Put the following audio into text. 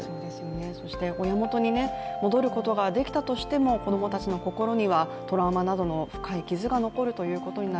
そして親元に戻ることができたとしても子供たちの心にはトラウマなどの深い傷が残るということになる。